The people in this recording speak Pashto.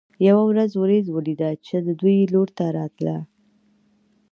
یوه ورځ ورېځ ولیده چې د دوی لوري ته راتله.